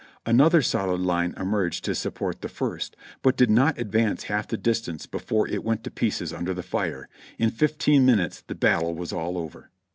Another solid line emerged to support the first, but did not advance half the distance before it went to pieces under the fire ; in fifteen minutes the battle was all over.